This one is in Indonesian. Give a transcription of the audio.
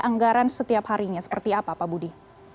anggaran setiap harinya seperti apa pak budi